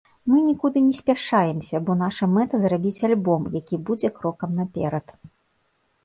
Мы нікуды не спяшаемся, бо наша мэта зрабіць альбом, які будзе крокам наперад.